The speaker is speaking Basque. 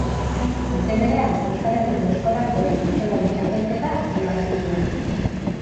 Urte berean Euskal Herriko Eskolarteko Bertsolari Txapelketa irabazi zuen.